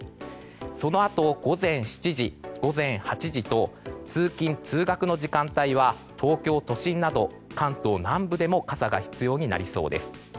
そのあと午前７時、午前８時と通勤・通学の時間帯は東京都心など関東南部でも傘が必要になりそうです。